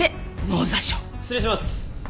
失礼します。